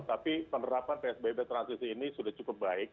tapi penerapan psbb transisi ini sudah cukup baik